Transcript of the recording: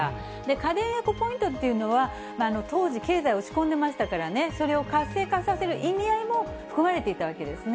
家電エコポイントというのは、当時、経済落ち込んでましたからね、それを活性化させる意味合いも含まれていたわけなんですね。